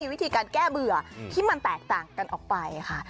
วิธีการแก้เบื่อที่มันแตกต่างกันออกไปค่ะ